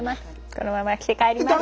このまま着て帰ります。